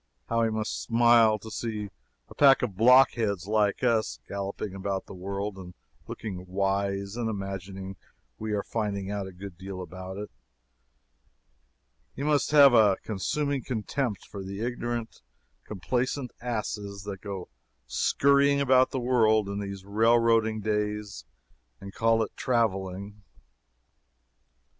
How he must smile to see a pack of blockheads like us, galloping about the world, and looking wise, and imagining we are finding out a good deal about it! He must have a consuming contempt for the ignorant, complacent asses that go skurrying about the world in these railroading days and call it traveling.